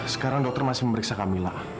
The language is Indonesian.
sekarang dokter masih memeriksa kamilah